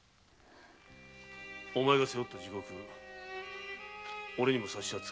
お前が背負った地獄おれにも察しはつく。